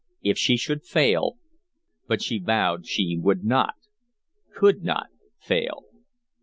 If she should fail but she vowed she would not, could not, fail.